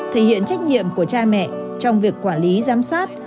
thể hiện trách nhiệm của cha mẹ trong việc quản lý giám sát